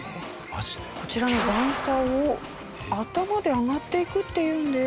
こちらの段差を頭で上がっていくっていうんです。